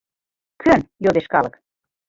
— Кӧн? — йодеш калык.